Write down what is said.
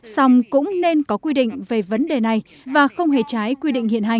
xong cũng nên có quy định về vấn đề này và không hề trái quy định hiện hành